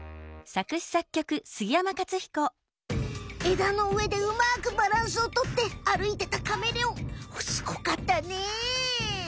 枝の上でうまくバランスをとってあるいてたカメレオンすごかったね！